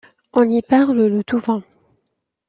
On y parle le touvain.